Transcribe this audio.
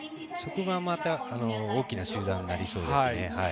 そこがまた大きな集団になりそうですね。